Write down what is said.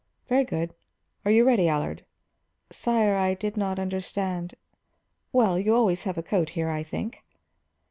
"Very good. Are you ready, Allard?" "Sire, I did not understand " "Well, you have always a coat here, I think."